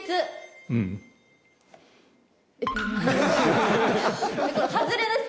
うん外れですか？